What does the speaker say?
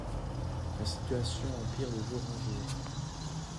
La situation empire de jour en jour.